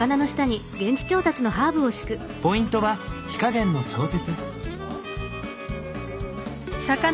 ポイントは火加減の調節。